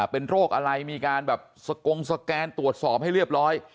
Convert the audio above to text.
เป็นโรคอะไรมีการแบบสกงสแกนตรวจสอบให้เรียบร้อย